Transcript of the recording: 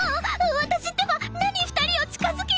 私ってば何２人を近づけようと！